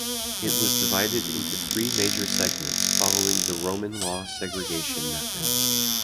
It was divided into three major segments, following the Roman law segregation methods.